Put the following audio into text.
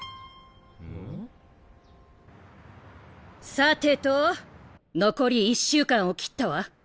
さてと残り１週間を切ったわ。